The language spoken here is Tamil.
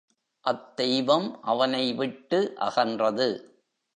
அத்தெய்வம் அவனை விட்டு அகன்றது.